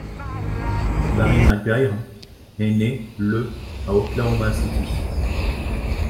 Barry McGuire est né le à Oklahoma City.